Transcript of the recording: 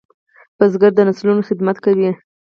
بزګر د نسلونو خدمت کوي